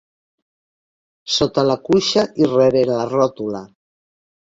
Sota la cuixa i rere la ròtula.